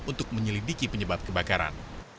untuk menyelidiki penyebab kebakaran